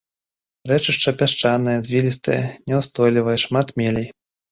Рэчышча пясчанае, звілістае, няўстойлівае, шмат мелей.